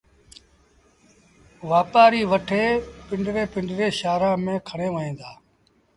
وآپآريٚ وٺي پنڊري پنڊري شآهرآݩ ميݩ کڻي وهيݩ دآ